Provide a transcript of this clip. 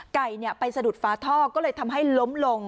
ไก่ไปสะดุดฟ้าท่อก็เลยทำให้ล้มลง